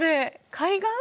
海岸？